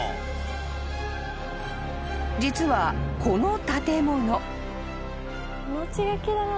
［実はこの建物］